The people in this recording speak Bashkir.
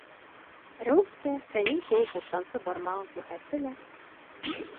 Рәүеф тә Фәнил кеүек уртансы бармағын күрһәтте лә: